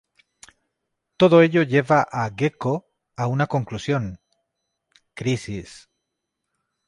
Todo ello lleva a Gekko a una conclusión: crisis.